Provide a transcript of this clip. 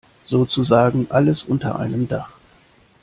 Sozusagen alles unter einem Dach.